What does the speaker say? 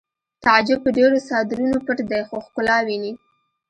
تعجب په ډېرو څادرونو پټ دی خو ښکلا ویني